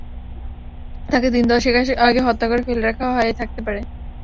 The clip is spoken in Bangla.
তাকে দিন দশেক আগে হত্যা করে ফেলে রাখা হয়ে থাকতে পারে।